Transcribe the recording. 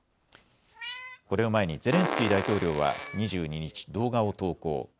これを前にゼレンスキー大統領は２２日、動画を投稿。